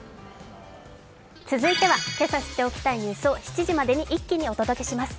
続いては今朝知っておきたいニュースを７時までに一気にお届けします